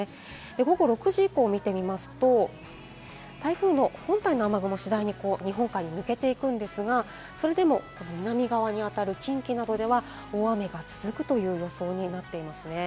午後６時以降を見てみますと、台風の本体の雨雲は次第に日本海に抜けていくんですが、それでも南側にあたる近畿などでは大雨が続くという予想になっています。